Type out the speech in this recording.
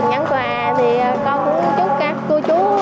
con cũng chúc các cô chú